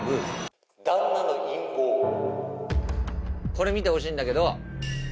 これ見てほしいんだけど。